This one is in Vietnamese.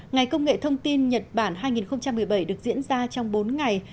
ngày công nghệ thông tin nhật bản hai nghìn một mươi bảy được diễn ra trong bốn ngày